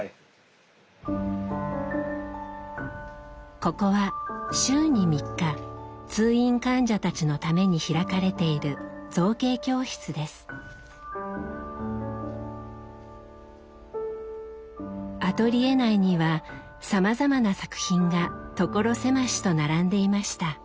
ここは週に３日通院患者たちのために開かれているアトリエ内にはさまざまな作品がところ狭しと並んでいました。